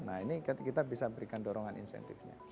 nah ini kita bisa berikan dorongan insentifnya